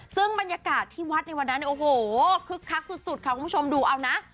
ซึ่งบรรยากาศที่วัดในวันนั้นโอ้โหคึกคักสุดค่ะคุณผู้ชมดูเอานะ